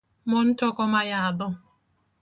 Mon toko mayadho